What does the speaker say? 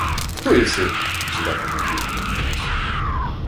— Хто єси? — злякано буркнув князь.